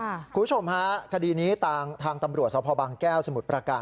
คุณผู้ชมฮะคดีนี้ทางตำรวจสพบางแก้วสมุทรประการ